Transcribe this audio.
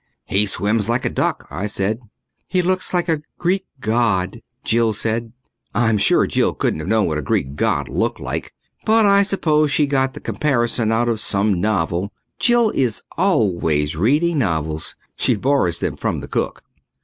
"He swims like a duck," I said. "He looks just like a Greek god," Jill said. I'm sure Jill couldn't have known what a Greek god looked like, but I suppose she got the comparison out of some novel. Jill is always reading novels. She borrows them from the cook.